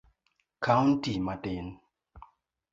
kaunti matin.